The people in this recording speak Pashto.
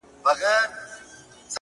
که ټوله ژوند په تنهايۍ کي تېر کړم;